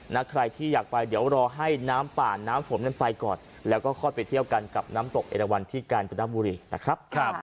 ใครที่อยากไปเดี๋ยวรอให้น้ำป่าน้ำฝนนั้นไปก่อนแล้วก็คลอดไปเที่ยวกันกับน้ำตกเอราวันที่กาญจนบุรีนะครับ